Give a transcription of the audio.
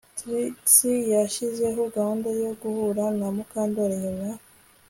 Trix yashyizeho gahunda yo guhura na Mukandoli nyuma